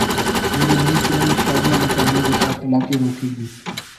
میری نئی فلم شادیاں بچانے کے ساتھ طلاقیں روکے گی